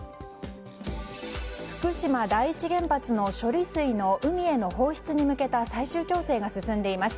福島第一原発の処理水の海への放出に向けた最終調整が進んでいます。